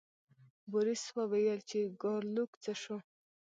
بوریس وویل چې ګارلوک څه شو.